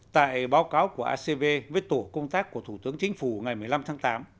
tại báo cáo của acv với tổ công tác của thủ tướng chính phủ ngày một mươi năm tháng tám